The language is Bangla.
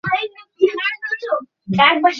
আমার এটা শুনতে চাইনি, আইভান তুমি কি শুনতে পাওনি?